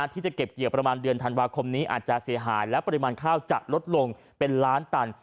ที่จะเก็บเกี่ยวประมาณเดือนธันวาคมนี้อาจจะเสียหายและปริมาณข้าวจะลดลงเป็นล้านตัน